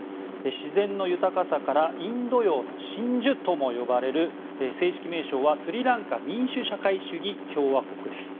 自然の豊かさからインド洋の真珠ともいわれる正式名称はスリランカ民主社会主義共和国です。